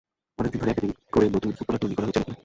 অনেক দিন ধরেই একাডেমি করে নতুন ফুটবলার তৈরি করা হচ্ছে নেপালে।